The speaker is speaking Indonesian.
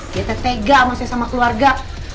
dia teteh gak sama saya sama keluarga